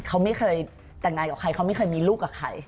เขาไม่เคยแต่งงานกับใครเขาไม่เคยมีลูกกับใคร